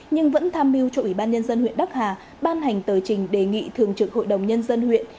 nhưng vẫn tham mưu cho ủy ban nhân dân huyện đắc hà ban hành tờ trình đề nghị thường trực hội đồng nhân dân huyện